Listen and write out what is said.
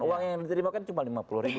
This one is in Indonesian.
uang yang diterima kan cuma rp lima puluh ribu